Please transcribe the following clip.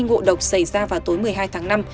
ngộ độc xảy ra vào tối một mươi hai tháng năm